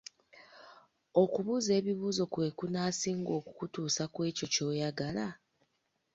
Okubuuza ebibuuzo kwe kunaasinga okukutuusa ku ekyo ky’oyagala?